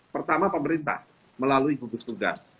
pertama pemerintah melalui gugus tugas